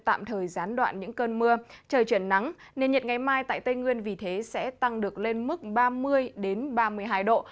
tạm thời gián đoạn những cơn mưa trời chuyển nắng nền nhiệt ngày mai tại tây nguyên vì thế sẽ tăng được lên mức ba mươi ba mươi hai độ